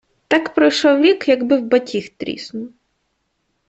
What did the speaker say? Так пройшов рік, якби в батіг тріснув.